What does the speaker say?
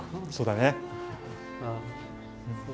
そうだね。